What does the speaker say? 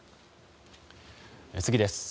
次です。